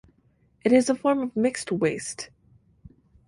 It is a form of mixed waste.